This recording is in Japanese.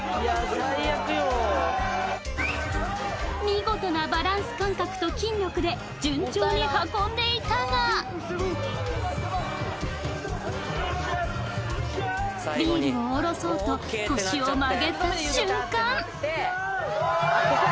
見事なバランス感覚と筋力で順調に運んでいたがビールを下ろそうと腰を曲げた瞬間